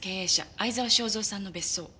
逢沢省三さんの別荘。